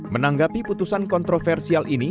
menanggapi putusan kontroversial ini